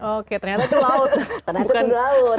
oke ternyata itu laut